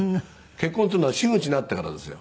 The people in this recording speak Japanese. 結婚っていうのは真打ちになってからですよ。